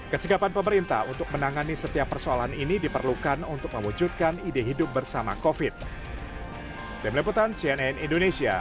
kesigapan pemerintah untuk menangani setiap persoalan ini diperlukan untuk mewujudkan ide hidup bersama covid